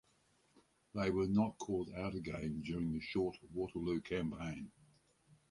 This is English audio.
They were not called out again during the short Waterloo campaign.